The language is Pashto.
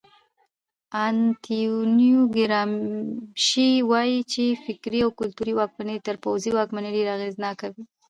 انتونیو ګرامشي وایي چې فکري او کلتوري واکمني تر پوځي واکمنۍ ډېره اغېزناکه وي.